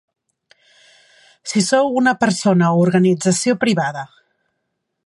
Si sou una persona o organització privada.